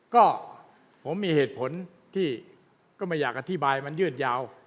ก็ผมมีเหตุผลที่ก็ไม่อยากอธิบายมันยืดยาว